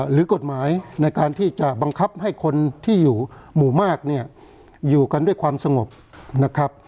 หรือกฎหมายในการที่จะบังคับให้คนที่อยู่หมู่มากเนี่ยอยู่กันด้วยความสงบนะครับ